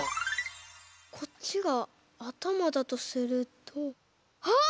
こっちがあたまだとするとあっ！